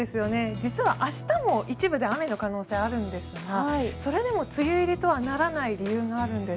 実は明日も一部で雨の可能性があるんですがそれでも梅雨入りとはならない理由があるんです。